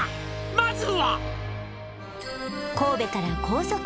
「まずは」